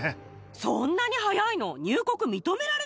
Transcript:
そんなに早いの、えっ？